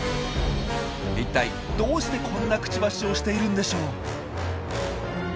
いったいどうしてこんなクチバシをしているんでしょう？